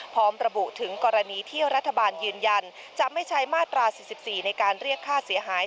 พร้อมระบุถึงกรณีที่รัฐบาลยืนยันจะไม่ใช้มาตรา๔๔ในการเรียกค่าเสียหาย